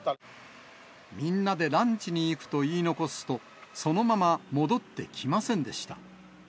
みんなでランチに行くと言い残すと、そのまま戻ってきませんでした。